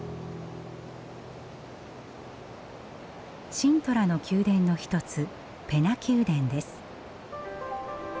シントラの宮殿の一つペナ宮殿です。